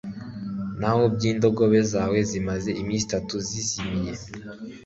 naho iby'indogobe zawe zimaze iminsi itatu zizimiye